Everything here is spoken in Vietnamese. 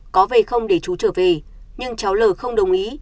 có về không để chú trở về nhưng cháu l không đồng ý